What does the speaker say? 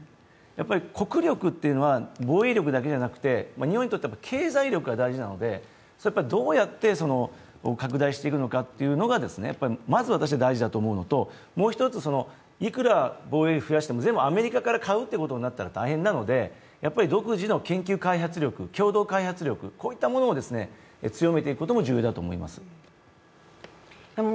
やっぱり国力というのは防衛力だけじゃなくて日本にとっては経済力も大事なのでどうやって拡大していくのかがまず私は大事だと思うのと、もう１つ、いくら防衛費を増やしても全部アメリカから買うっていうことになったら大変なのでやっぱり独自の研究開発力、共同開発力こういったものを強めていくことも重要だと思います。